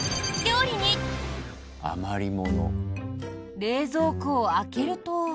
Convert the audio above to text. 冷蔵庫を開けると。